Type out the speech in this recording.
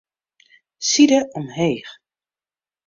Side omheech.